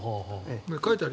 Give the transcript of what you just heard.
書いてある。